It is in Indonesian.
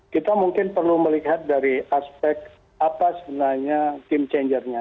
kita mungkin perlu melihat dari aspek apa sebenarnya game changernya